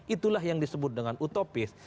itulah yang disebut dengan utopis